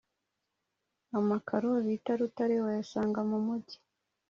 Amakaro bita rutare wayasanga mumugi